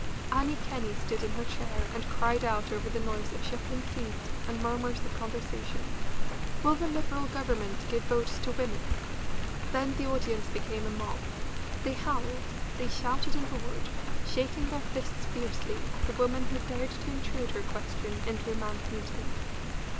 Annie Kenney stood up in her chair and cried out over the noise of shuffling feet and murmurs of conversation: "Will the Liberal Government give votes to women?" Then the audience became a mob. They howled, they shouted and roared, shaking their fists fiercely at the woman who dared to intrude her question into a man's meeting.